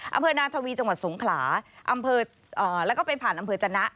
อำเภอนาทวีจังหวัดสงขลาอำเภอแล้วก็ไปผ่านอำเภอจนะ